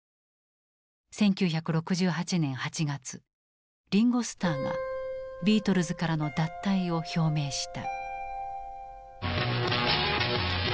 １９６８年８月リンゴ・スターがビートルズからの脱退を表明した。